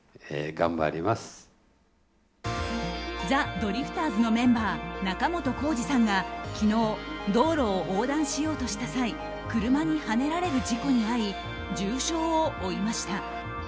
ザ・ドリフターズのメンバー仲本工事さんが昨日、道路を横断しようとした際車にはねられる事故に遭い重傷を負いました。